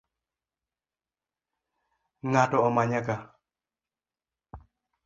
Ng’ato omanya kaa?